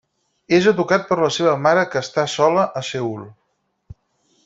És educat per la seva mare que està sola a Seül.